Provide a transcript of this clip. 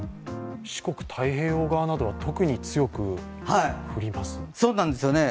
四国、太平洋側などは特に強く降りますね。